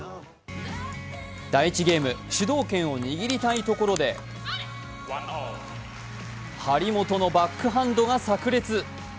第１ゲームを主導権を握りたいところで、張本のバックハンドがさく裂。